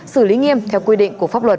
xử lý nghiêm theo quy định của pháp luật